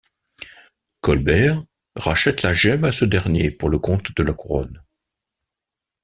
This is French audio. Colbert rachète la gemme à ce dernier pour le compte de la Couronne.